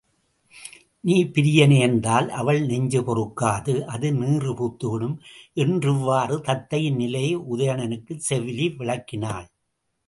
நீ பிரிய நேர்ந்தால் அவள் நெஞ்சு பொறுக்காது அது நீறுபூத்துவிடும் என்றிவ்வாறு தத்தையின் நிலையை உதயணனுக்குச் செவிலி விளக்கினாள்.